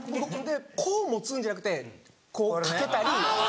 こう持つんじゃなくてこうかけたり。